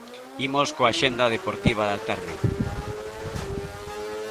Imos coa axenda deportiva da tarde.